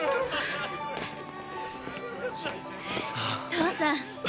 父さん。